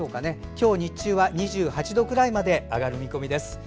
今日日中は２８度ぐらいまで上がる見込みです。